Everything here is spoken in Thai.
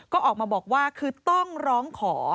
ก็ออกมาบอกว่าคือต้องร้องขอ